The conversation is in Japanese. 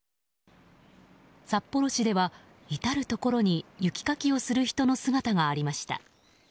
札幌市では至るところに雪かきをする人の姿がありました。